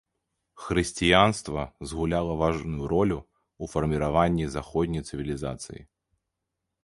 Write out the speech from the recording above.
Хрысціянства згуляла важную ролю ў фарміраванні заходняй цывілізацыі.